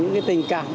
những tình cảm